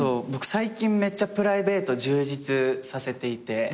最近めっちゃプライベート充実させていて。